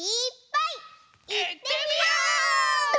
いってみよう！